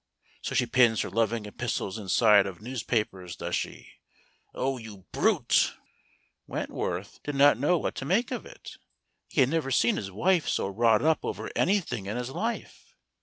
So she pins her loving epistles inside of newspapers, does she? Oh, you brute !" Wentworth did not know what to make of it. He had never seen his wife so wrought up over anything in his life.